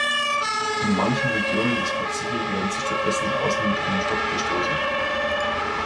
In manchen Regionen des Pazifik werden sie stattdessen außen mit einem Stock gestoßen.